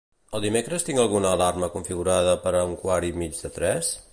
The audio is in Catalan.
El dimecres tinc alguna alarma configurada per un quart i mig de tres?